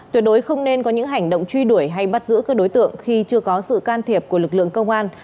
tuyệt đối không nên có những hành động truy đuổi hay bắt giữ các đối tượng khi chưa có sự can thiệp của lực lượng công an